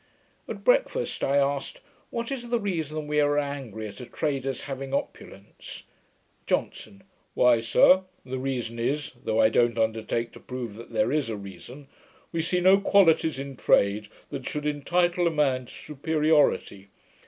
At breakfast, I asked, 'What is the reason that we are angry at a trader's having opulence?' JOHNSON. 'Why, sir, the reason is (though I don't undertake to prove that there is a reason), we see no qualities in trade that should entitle a man to superiority.